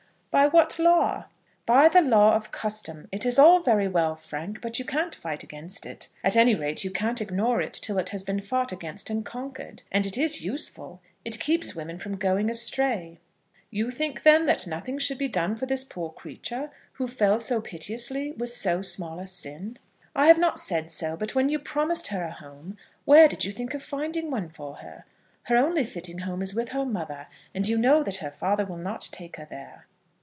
"By what law?" "By the law of custom. It is all very well, Frank, but you can't fight against it. At any rate, you can't ignore it till it has been fought against and conquered. And it is useful. It keeps women from going astray." "You think, then, that nothing should be done for this poor creature, who fell so piteously, with so small a sin?" "I have not said so. But when you promised her a home, where did you think of finding one for her? Her only fitting home is with her mother, and you know that her father will not take her there."